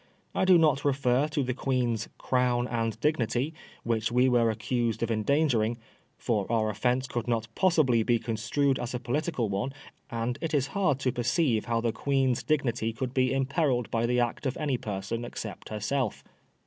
I do not refer to the Queen's " crown and dignity," which we were accused of en dangering ; for our offence could not possibly be construed as a political one, and it is hard to perceive how the' Queen's dignity could be imperilled by the act of any person except herself.